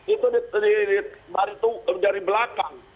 itu dari belakang